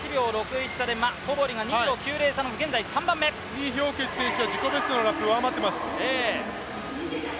李氷潔選手は自己ベストのラップを上回っています。